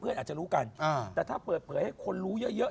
อาจจะรู้กันแต่ถ้าเปิดเผยให้คนรู้เยอะ